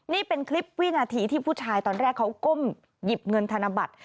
นี่เป็นคลิปวินาทีที่ผู้ชายตอนแรกเขาก้มหยิบเงินธนบัตร